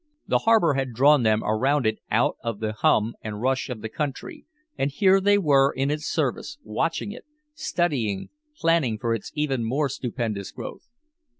The harbor had drawn them around it out of the hum and rush of the country, and here they were in its service, watching it, studying, planning for its even more stupendous growth.